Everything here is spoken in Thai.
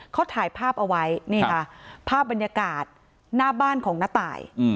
เขาถ่ายภาพเอาไว้นี่ค่ะภาพบรรยากาศหน้าบ้านของน้าตาย